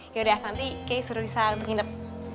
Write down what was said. yaudah nanti kay suruh bisa untuk nginep